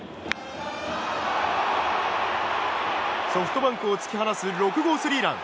ソフトバンクを突き放す６号スリーラン。